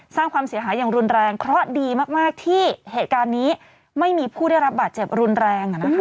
สร้างความเสียหายอย่างรุนแรงเพราะดีมากที่เหตุการณ์นี้ไม่มีผู้ได้รับบาดเจ็บรุนแรง